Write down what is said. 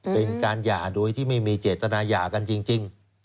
เป็นการหย่าโดยที่ไม่มีเจตนาหย่ากันจริง